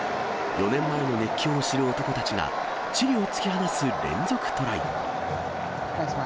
４年前の熱狂を知る男たちが、チリを突き放す連続トライ。